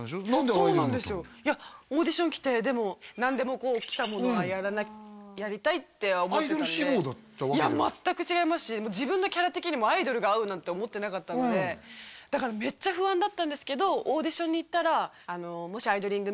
そうなんですよいやオーディション来て何でも来たものはやりたいって思ってたんでいや自分のキャラ的にもアイドルが合うなんて思ってなかったのでだからメッチャ不安だったんですけどオーディションに行ったらもしアイドリング！！！